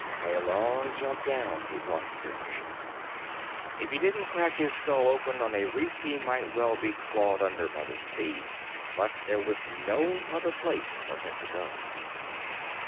A long jump down, he thought dizzily. If he didn't crack his skull open on a reef he might well be clawed under by the sea. But there was no other place for him to go.